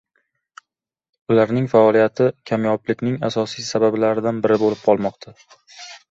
Ularning faoliyati kamyoblikning asosiy sabablaridan biri bo‘lib qolmoqda.